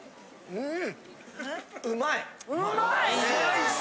うん。